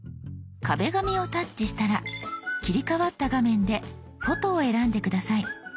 「壁紙」をタッチしたら切り替わった画面で「フォト」を選んで下さい。